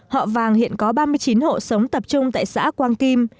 họ vàng hiện có ba mươi chín hộ sống tập trung tại xã quang kim